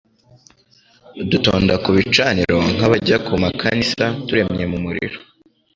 Dutonda kubicaniro nkabajya ku ma kanisa turemye m'umuriro